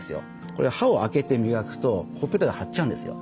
これ歯を開けて磨くとほっぺたが張っちゃうんですよ。